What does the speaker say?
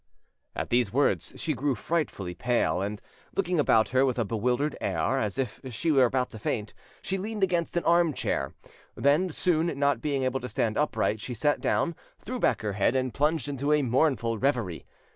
At these words she grew frightfully pale, and, looking about her with a bewildered air, and as if she were about to faint, she leaned against an arm chair; then, soon, not being able to stand upright, she sat down, threw back her head, and plunged into a mournful reverie.